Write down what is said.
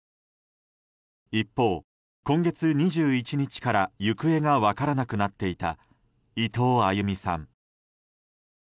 一方、今月２１日から行方が分からなくなっていた伊藤亜佑美さん。